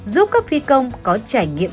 giúp các phi công có trải nghiệm